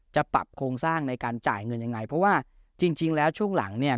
จะปรับโครงสร้างในการจ่ายเงินยังไงเพราะว่าจริงจริงแล้วช่วงหลังเนี่ย